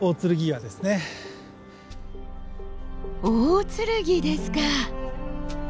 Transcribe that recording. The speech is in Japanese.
大劔ですか！